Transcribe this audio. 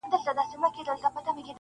o ستا د غېږي یو ارمان مي را پوره کړه,